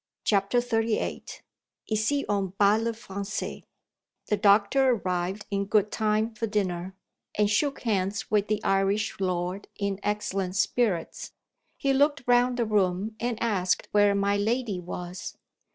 CHAPTER XXXVIII ICI ON PARLE FRANCAIS THE doctor arrived in good time for dinner, and shook hands with the Irish lord in excellent spirits. He looked round the room, and asked where my lady was.